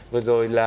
vừa rồi là